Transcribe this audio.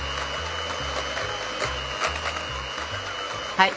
はい。